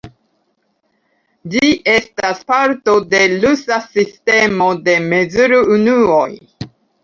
Ĝi estas parto de rusa sistemo de mezurunuoj.